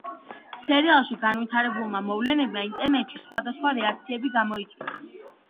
სერიალში განვითარებულმა მოვლენებმა ინტერნეტში სხვადასხვა რეაქციები გამოიწვია.